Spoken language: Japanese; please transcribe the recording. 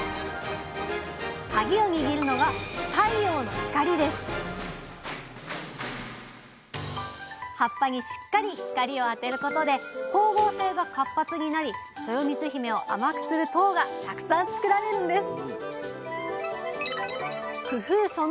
カギを握るのが葉っぱにしっかり光を当てることで光合成が活発になりとよみつひめを甘くする糖がたくさん作られるんです